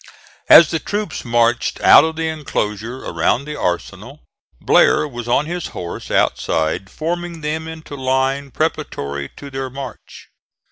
As the troops marched out of the enclosure around the arsenal, Blair was on his horse outside forming them into line preparatory to their march.